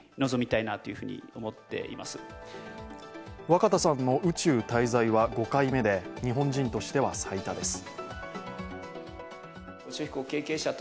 若田さんの宇宙滞在は５回目で、日本人としては最多です。